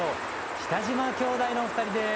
北島兄弟のお二人です。